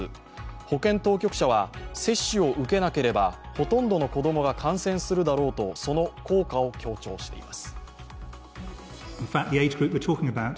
保健当局者は接種を受けなければほとんどの子供が感染するだろうと、その効果を強調しています。